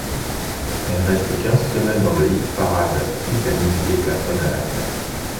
Elle reste quinze semaines dans le hit-parade britannique et plafonne à la place.